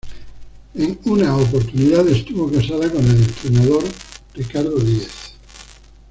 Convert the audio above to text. En Una oportunidad estuvo casada con el Entrenador Ricardo Diez.